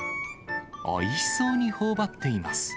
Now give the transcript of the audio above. おいしそうにほおばっています。